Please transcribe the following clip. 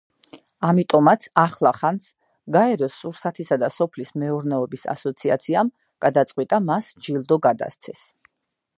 ამიტომაც ახლახანს, გაეროს სურსათისა და სოფლის მეურნეობის ასოციაციამ გადაწყვიტა მას ჯილდო გადასცეს.